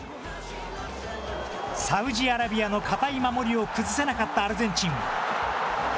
サウジアラビアの堅い守りを崩せなかったアルゼンチン。